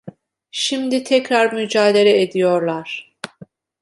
Şimdi tekrar mücadele ediyorlar.